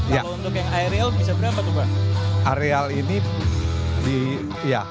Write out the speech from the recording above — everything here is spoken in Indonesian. kalau untuk yang aerial bisa berapa tuh pak